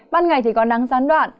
ban ngày có nắng gián đoạn